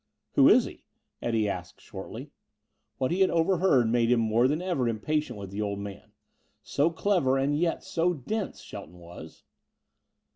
"Who is he?" Eddie asked shortly. What he had overheard made him more than ever impatient with the older man. So clever and yet so dense, Shelton was.